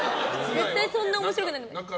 絶対そんなに面白くないので。